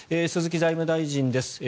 鈴木財務大臣です。